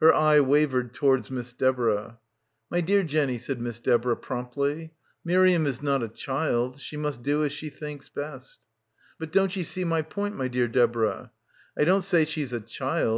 Her eye wavered towards Miss Deborah. "My dear Jenny," said Miss Deborah promptly, "Miriam is not a child. She must do as she thinks best." "But don't ye see my point, my dear Deborah? I don't, say she's a child.